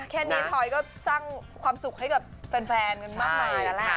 แค่นี้ทอยก็สร้างความสุขให้กับแฟนกันมากมายแล้วแหละ